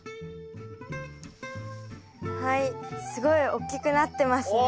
はいすごいおっきくなってますね。